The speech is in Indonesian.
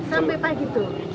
sampai pagi itu